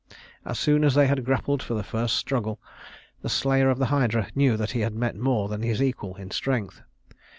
As soon as they had grappled for the first struggle, the slayer of the Hydra knew that he had met more than his equal in strength.